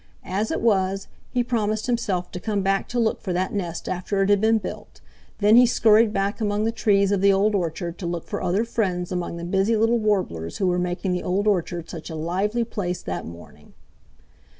As it was, he promised himself to come back to look for that nest after it had been built; then he scurried back among the trees of the Old Orchard to look for other friends among the busy little Warblers who were making the Old Orchard such a lively place that morning.